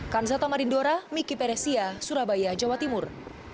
kanza tamarindora miki peresia surabaya jawa timur